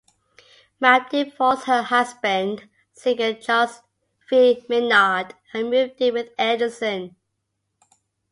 Mab divorced her husband, singer Charles V. Maynard, and moved in with Anderson.